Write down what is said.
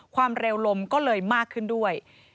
ความเร็วลมก็เลยมากขึ้นด้วย